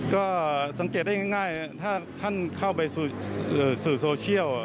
ก็สังเกตได้ง่ายถ้าท่านเข้าไปสู่โซเชียล